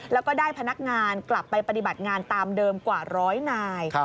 แล้วก็ได้พนักงานกลับไปปฏิบัติงานตามเดิมกว่าร้อยนาย